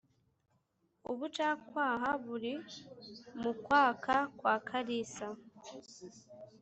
Ubucakwaha buri mu kwaka kwa kalisa